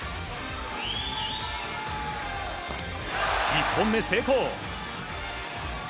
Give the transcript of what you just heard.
１本目、成功。